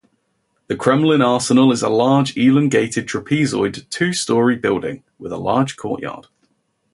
The Kremlin Arsenal is a large elongated trapezoid two-story building with a large courtyard.